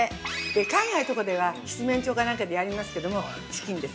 海外とかでは七面鳥かなんかでやりますけども、チキンです。